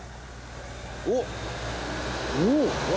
おっ！